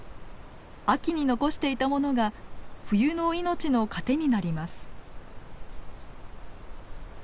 秋に残していたものが冬の命の糧になります。